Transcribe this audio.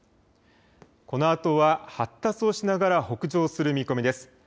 このあとは発達をしながら北上する見込みです。